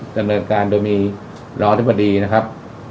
กระเนิดการโดยมีรอธิบดีนะครับ